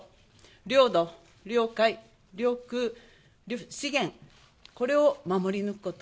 領土、領海、領空、資源、これを守り抜くこと。